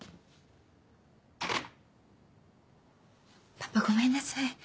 パパごめんなさい